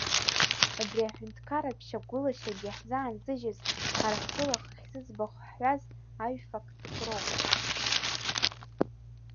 Убри аҳәынҭқарратә шьақәгылашьагьы ҳзаанзыжьыз, ҳара ҳтәала хыхь зыӡбахә ҳҳәаз аҩ-фактк роуп.